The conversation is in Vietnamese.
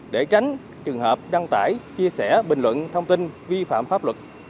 để tránh trường hợp đăng tải chia sẻ bình luận thông tin vi phạm pháp luật